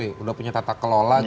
sudah punya tata kelola